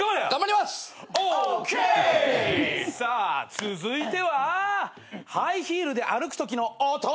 さあ続いてはハイヒールで歩くときの音！